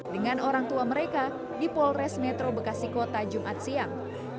dengan orang tua mereka di polres metro bekasi kota jumat siang